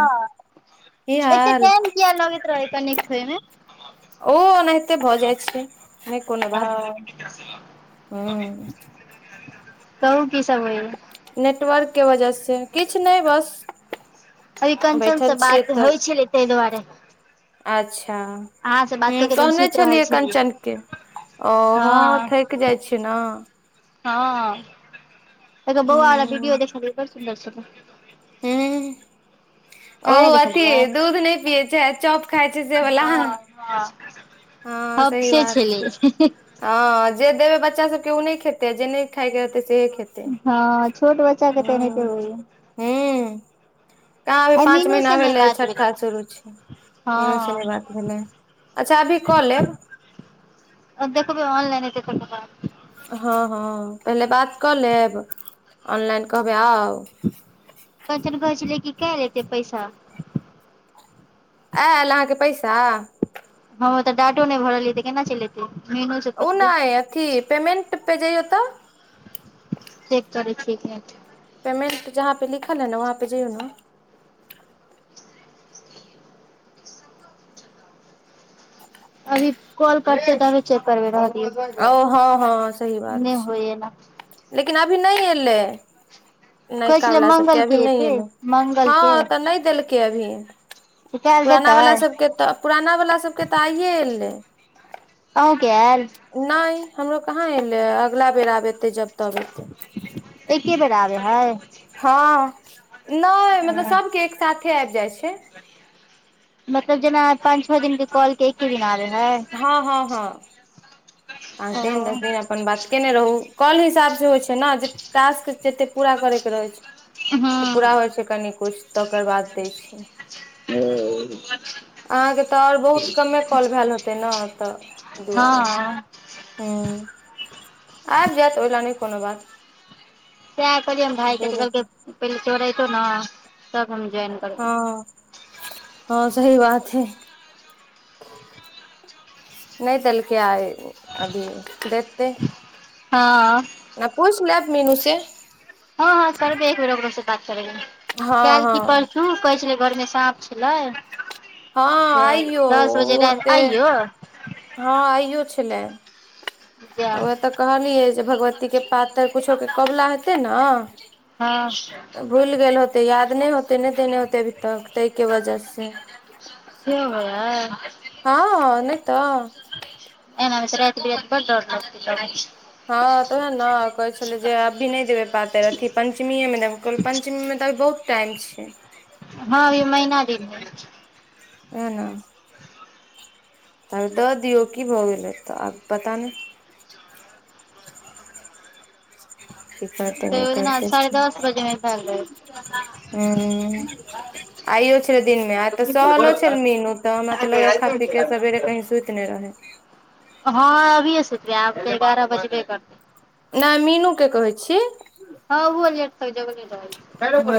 हँ की एते हाल टाइम किया लगैत रहै कनेक्ट होय में। ओ ओनाहिते भऽ जाइ छै, नै कोनो बात। [inaudible] हूं। कहू की सब होइया। नेटवर्क के वजह से, किछ नै बस। अभी कंचन बैठल से छियै बात तऽ होइ छलै ताहि दुआरे। अच्छा अहाँ से बात ह कऽ के तऽ हम कहने सुति रहल छलियै कंचन के। ओ हँ थैक जाइ छी ना। हँ ओकर बउआ बला विडियो ह देखलयै, बड़ सुन्दर छैले। ह ओ अहाँ नहि अथी देखलियै दूध नै पियए छै, चॉप खााय छै से बला। हबसे बात छलै। छै हँ जे देबे बच्चा सब के ओ नहि खेते, आ जे नै खाय के रहते सेहे खेते। हँ छोट बच्चा के तऽ एनैहिते होय। हू कहां अभी आइ पाँच मीनू महिना से नहि भेलै बात छठ्ठा शुरू छै। मीनू सने हँ बात भेलै, अच्छा अभी कऽ लेब। अब देखबै ऑनलाइने तैके बाद। हँ -हँ पहिले बात कऽ लेब, ऑनलाइन कहबै आउ। कंचन कहे छलै कि कहिया देतै पैसा। आयल अहाँके पैसा। हम ओ तऽ डाँटो नहि भरलियै, तऽ केना चैल एतै, मेीनू से ओ पुछबै। नहि अथी। पेमेंट पे जाइयो तऽ। चेक करै छी एक मिनट। पेमेन्ट जहाँपे लिखल हय ने वहाँपे जाइयो ने। अ [inaudible] अभी कॉल करै छीयै तऽ अभी [inaudible] ओ हँ- हँ सही बात छै, होइ एना लेकिन अभी नै एलै। कहै नयका छलै बला सबके, मंगल अभी के नै एतै एलै, मंगल के हँ तऽ नइ देलकै अभी। तऽ काल्हि पुराना देतै वाला सबके तऽ, पुराना वाला सबके तऽ आइए एलै। अहूं के आएल। नै हमरो कहाँ एलैए ह, अगला बेर आब एते जब -तब। एतै एके बेेर ऐल रहय। हां नै मतलब सबके एक साथे आएब जाय छै। मतलब जेना अहां के पान छौ दिन के कॉल के एक दिन ऐल रहय। हां-हां-हां। पाँच ओ दिन, दस दिन अप अपन बात केने रहू काॅल के हिसाब से होय छै नै जे टास्क जतय पूरा करय के रहय छै। तऽ हँ पूरा होय छै कनि कुछ तकर बाद दै छै। औ अहाँके तै और बहुत कमे कॉल भेल हेतय न तै दुआरे हँ हूं आइब जाएत ओय लै नै कोनो बात सैह कहलियै हन भाय के तै उ देबे कहल कै पहिले जोरेतो नै तब हम जोएन हां-हां सही बात हय। नै देलकै आय अभी देतय। हां। न पूइछ लेब मीनू सेे हां-हां करबे एक बेर ओकरो से बात करबे हँ काएल की हँ परसु हां कहय छलय घर मे साँप छलय। हां आइयो उहो राति ते आइयो हां आइयो छलय। जा वैह तऽ कहलियै जे भगवती के पातैर कूछो के कोबला हेतय नै। हां। भूईल गेल होतय, याद नै होतय नै देेने होतय अभी तक। तै के वजह से सेहो होइ हइ हां नै तऽ एना में त राएत-बिराएत बड्ड डर लगतै तबै। हां तै उहय नै कहय छलय जे अभी नै देबय पातर अथी पंचमिए मे देबय कहलियै पैंचमी में तऽ अभी बहुत टाइम छै। हां ई महिना दिन हय। उहै नै। तामे दऽ दियौ की भऽ गेलय तऽ आब पता नै की करतै तऽ नै ओहि दिना करतै साढ़े दस बजेमे भेल रहै फेर हूं। आइयो छलय दिनमे आय तऽ सहलो छल मीनू तऽ हमरा तऽ लगय यै खा पीक के सबेरे कहीं सुईत नै रहय। हां अभिए सुतबै आब तै एगारा बजबे करतय नै मीनू के कहय छी। हां उहो लेट तक जगले रहय हँ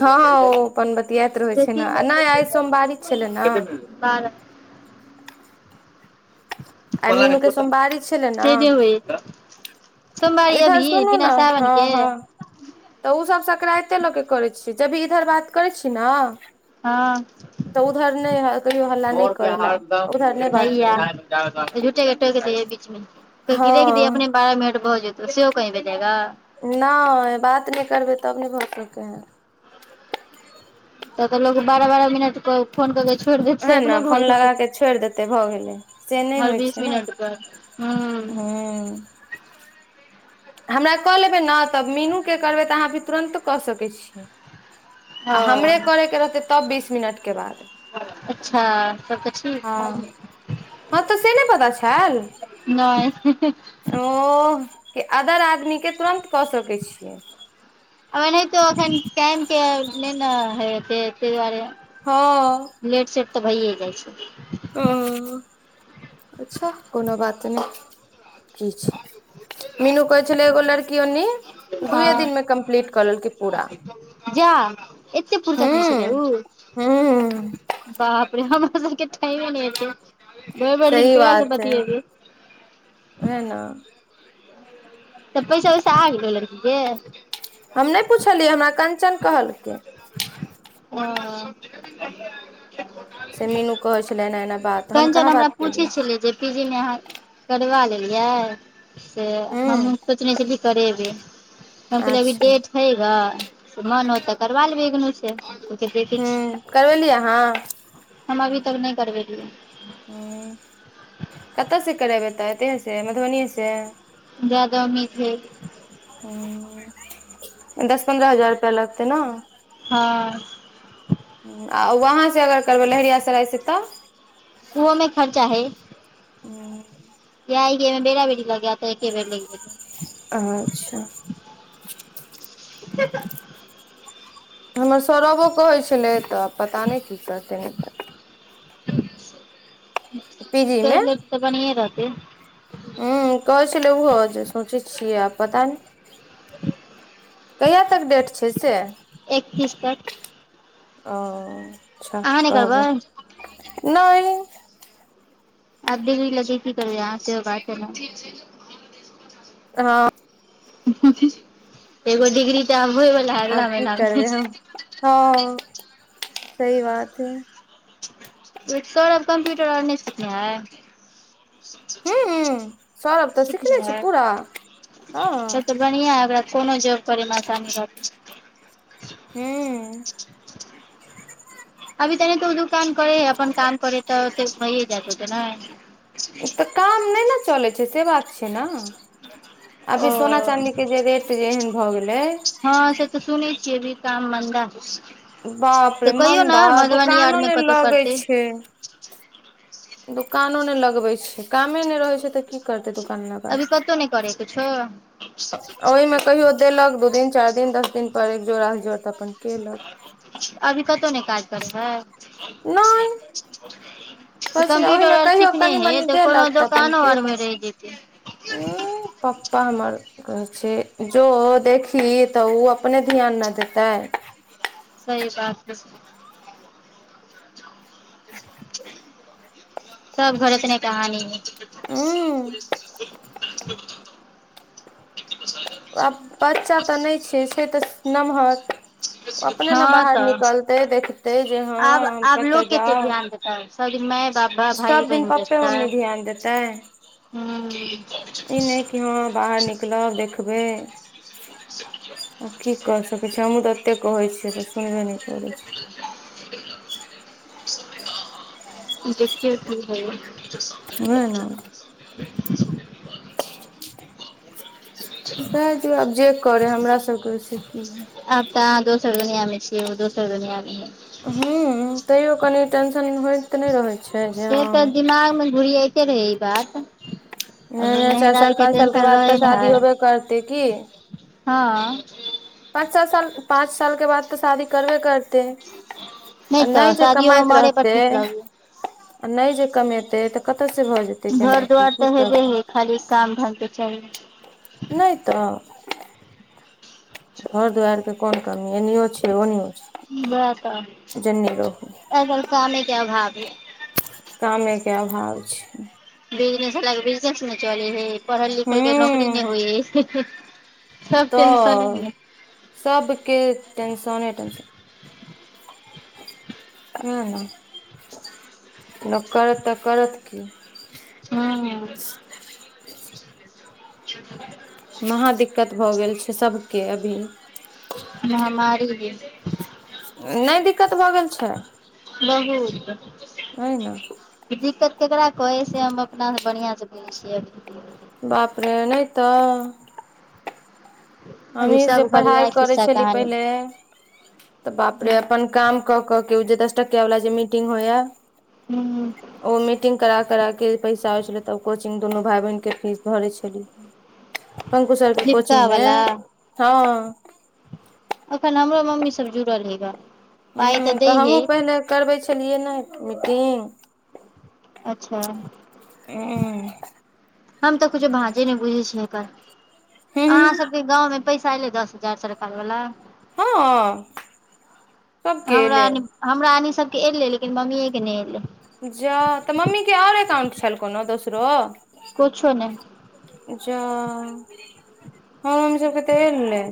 हँ ओ अपन बतियाइत रहै छै ने नहि आइ सोमवारी छलै ने छै। [unintelligible] बारा आय मीनू के सोमवारी छलय न वही तै। इधर सुनू नै सावन के हां-हां। तऽ उ सब सकराते लऽ क करै छियै जब इधर बात करय छी नै हँ तऽ उधर नै अहां कहियौ हल्ला सौ नै रुपया करय लै हरदम उधर नै बात हैया करू। झूठे के टोएक दै यै बीच मे कहय की रख दही हँ अपने बारह मिनट भऽ जेत तऽ सेहो कहीं भेजेगा नै बात नै करबै तब नै भऽ सकय हय। तब कहलक की बारा-बारा मिनट पर फोन केर के छ उहै नै फोन लगाए कै छोएड़ देतय भऽ गेलै से नै हर होय बीस छै नै। मिनट पर हूँ हूं हमरा कऽ लेबै ने तऽ मीनू के करबै तऽ अहाँ अभी तुरन्त कऽ सकै छि। आ हमरे हँ करै के रहते तब बीस मिनट अच्छा तब तऽ ठीक हँ हय हँ तऽ से नहि पता छैल नय ओह कि अदर आदमीके तुरन्त कऽ सकै छियै ओनाहितो एखन टाइम के नहि ने हेते ताहि दुआरे हँ लेट सेेट तऽ भैए जाइ छै ह अच्छा कोनो बात नहि की छै मीनू कह छलै एगो लड़की ओनि दुए हँ दिनमे कम्प्लीट कऽ लेलके पूरा जा एतेक पूर्सत में छलै हूँ ऊ हूँ हू बापरे हमरा साबके टाइम नहि एतै भरि भरि दिन सही ककरा सऽ बतियेबै ओहे नऽ त पैसा ऊइसा आबि गेलेन की के हम नहि पुछलियै हमरा कंचन कहलकै अऽ से मीनू कहै छलै एना एना बात हम कहाँ बात केलियै कि जे ने अहाँ करबा लेलियै से हमहु हूँ सोचने छलिये करेबै हम कहलिए अभी अच्छा डेट छैए ग मन होत तऽ करबा लेबी इगनू स देखें हूँ छिये करबेलियै अहाँ हम अभी तक नहि करबेलियै हु कतऽ से करेबै तऽ एते से मधुबनीए से जादा उम्मीद हेत ह दस पन्द्र हजार रुपया लगतै न हँ आ वहाँ से अगर करबै लहेरियासराय से तब ऊहो मे खर्चा हए हूं चाय बेर में बेरा-बेरी लगे तऽ एके बेर लगै जैते अच्छा [unintelligible] हमर सौरभो कहै छलै तऽ पता नहि की करते नहि कर पीजी करऽ ले तऽ बढ़िए रहतै ह कहै छलै ऊहो जे सोचै छियै आब पता नहि कहिया तक डेट छै से एकतीस तक ओ अच्छा अहाँ नहि करबै कहब नैय आब डिग्री लकए की करबय अहाँ से हो बात छय नऽ ह हु हु एगो डिग्री तऽ आब होए बला है आब अगला की महिना में करबै हम हँ सही बात छय यै करब कम्प्यूटर आर नहि सिखनो है। हूँ सौरभ तऽ सिखने छै पूरा हँ क [inaudible] बढ़ियां है ओकरा कोनो जॉब करे मे आसानी रहत हुं। अभी तनि तऽ ओ दुकान करै है अपन काम करै तऽ ओते सं भैये जारत होते ने। तऽ काम नहि ने चलैत छै से बात छै ने। ओ अभी सोना चाँदी के जे रेट जे एहन भऽ गेलै हँ से तऽ सुनै छियै अभी काम मन्दा है। बाप रे तऽ कहियौ ने मंदा मधुबनी दुकानो आरमे नहि कतहु लगै करतै। छै दुकानो नहि लगबै छै, कामे नहि रहै छै तऽ की करतै दुकान लगा अभी के, कतहु नहि करै किछो आ ओहिमे कहियो देलक दू दिन, चारि दिन, दस दिन पर एक जोड़ा स अभी कतहु नहि काज करै छै। नै। तऽ किछ नहि कम्प्यूटर ओहिमे आर कहियो सिखने कनी हे मनी तऽ कोनो देलक तऽ अपन दोकानो आरमे केलक। रहि जेतै उंह पप्पा हमर कहै छै जो देखही तऽ ओ अपने ध्यान ने देतै। सही बात छै। सब घर एतने कहानी है। ह आब बच्चा तऽ नहि छै, छै तऽ नमहर ओ अपने ने हँ बाहर तऽ निकलतै, देखतै, जे हम कतय जाउ। सदिखन जे माये बाप वैह भाइ सब दिन बहिन पप्पे जेता, मम्मी ध्यान देतै ई हुं। नहि हँ बाहर निकलब, देखबै। आ की क सकैत छियै, हमहुँ तऽ एते कहै छियै तऽ सुनबे नहि करै छै। [inaudible] [inaudible] देखियौ की होइये। नहि ने। जाय दियौ आब जे करै, हमरा सबके ओइ से की। आब तऽ अहाँ दोसर दुनिया मे छियै ओ दोसर दुनिया मे। हुं, तैयो कनि टेंशन होय नहि रहै छै। जे से हँ तऽ दिमाग मे घुरियाइते रहै ई बात। नहि नहि चारि साल नहराके पाँच साल के टेंशन बाद रहै तऽ ने है। शादी होबे करतै की हँ। पाँच सात साल, पाँच साल के बाद तऽ शादी करबे कर तै, आ तऽ नहि जे शादियो कमाइत उमरे पर रहतै ठीक लागैये आ नहि जे कमेतै तऽ कतऽ से भऽ जेतै केना घर की दुआर तऽ हेबे कहतै। हइ खाली काम ढंग के चाही नै तऽ। घर दुआरि के कोन कमी एनो छै ओनो छै। वैह तऽ, जेन्नी रहू असल कामे के अभाव ये। कामेके अभाव छै। बिजनेस वला के बिजनेस नै चले है, पढ़ल लिखल के नौकरी हूं नहि होइ है। तऽ, सबके टेनशने टेनशन। हुं हुं, लोक करत तऽ करत की। हूँ। महा दिक्कत भऽ गेल छै सबके अभी। महामार के। नइ दिक्कत भऽ गेल छै। बहुत। वही ना। दिक्कत केकरा कहै है से हम अपना बढ़िआँ से बुझै छियै अभी। बाप रे नहि तऽ। अभी हमहीँ जे सब घर पढ़ाइ इएह करै खिस्सा छलि कहानी पहिले तऽ बाप रे अपन काम कऽ क के जे दस टकिया वाला जे मीटिंग होइया। हूँ। ओ मीटिंग करा-करा के पैसा होइ छलै तऽ कोचिंग दुनू भाई बहिनके फीस भरैत छली। पंकु सर के कोचिंग जीविका मे, वला हँ। अखन हमरो मम्मी सब जुड़ल है गऽ। हुं पाइ दै तऽ हे हमहूँ पहिले करबै छलियै ने मीटिंग। अच्छा। उम्म। हम तऽ किछौ भांजे नहि बुझय छियई एकर आहाँ सब गांव में पैसा एलै दस हजार सरकार वाला। हँ। सबके हमरा एलै एनी हमरा एनी सबके एलै लेकिन मम्मीये के नइ एलै। जाउ तऽ मम्मी के आर एकाउंट छल कोनो दोसर? किछो नहि। जा हमर मम्मी सब के तऽ एलै।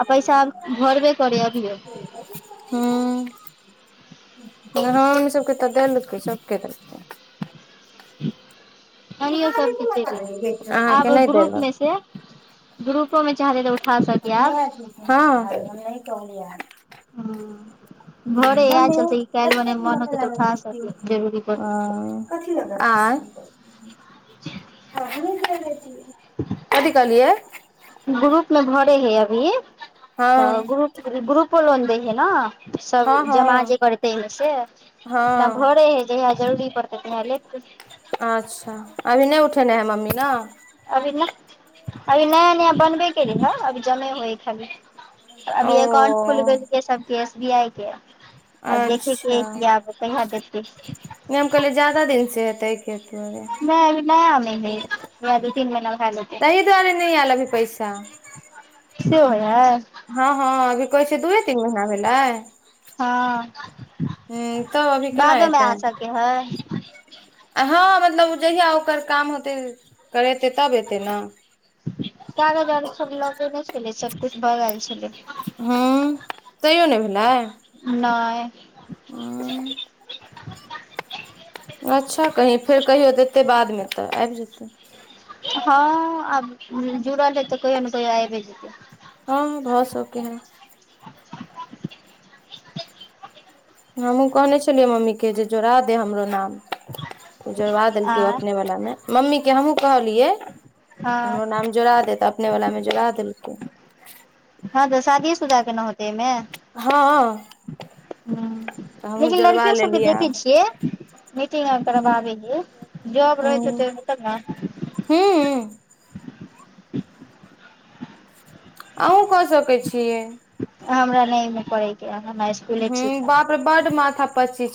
आ पैसा भरबे करै अभियो। हँ बनय हमर मम्मी सब के तऽ देलकै सबके देलकै। कनीयो सब के चइल एलय अहाँके आब ओ नहि ग्रुप देलक में से ग्रुपो में चाहतय त अपने, [unintelligible] हँ, नै कहलिया। हुं। भरै याह चलतै ई कइल भने कथी मोन होतय मसाला तऽ मे उठा पीसती सकय जरूरी हो पड़तै। कथी, [unintelligible] आँइ, [unintelligible] की कहलियै? ग्रुप में भरै है अभी हँ तऽ ग्रुपो लोन दै है ना। सब हँ जमा जे हँ करतै है से। अपना हँ भरैय है जहिया जरूरी पड़तै तेहिया लेतै। अच्छा अभी नहि उठेने है मम्मी ना? अभी नह अभी नया नया बनेबे केलै हऽ अभी खाली जमे होइ है खाली। ओ अभी अकाउंट खुलबे केले केसब एसबीआई के अछि आब देखे के है अच्छा जे कहिया दैतय। नहि हम कहलियै जादा दिन सँ हेतै अइ के। नहि अभी नया मे हइ इएह दू तीन महीना भए जेतै तहि दुआरे नई ऐल अभी पैसा। से होयै है। हँ हँ अभी कहै छै दूये तीन महीना भेलैय। हँ, तब अभी केना बादो में आ सकै है। आ हँ, मतलब जहिया ओकर काम होतै, करेतै, तऽब एतै ने। चार हजार सर लगैने छलै, सब कुछ भऽ गैल छलय। हँ तैयो नहि भेलै नहि उं अच्छा, कहीं फेर कहियो देतै, बादमे तऽ आबि जेतै। हँ, आब जुड़ल है तऽ कहियो ने कहियो आइबे जेतै। हँ, भऽ सकै है। [unintelligible] हमहूँ कहले छलियै मम्मीके जे जोड़ा दे हमर नाम। जोड़बा देलकै आ अपने वला मे। मम्मीके हमहूँ कहलियै। तऽ हँ हमरो नाम जोड़ा दे तऽ अपने वला मे जोड़ा देलकै। हँ, तऽ शादीये-शुदा के नहि होतय अय मे। हँ हँ तऽ हमहूँ लेकिन जोड़वा लड़कियो सबके लेलियै देखय आब छियै मीटिंग आर हूँ करबाबय हे जॉब रहैत हेतै ओहिमे तब ने हू अहूॅं कऽ सकै छियै हमरा नहि अयमे पड़यके ये हम अइ- हू बापरे बड माथापच्ची